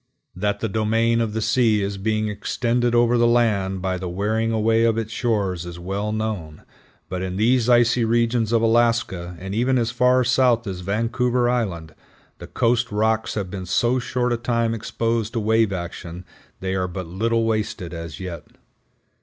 That the domain of the sea is being extended over the land by the wearing away of its shores, is well known, but in these icy regions of Alaska, and even as far south as Vancouver Island, the coast rocks have been so short a time exposed to wave action they are but little wasted as yet.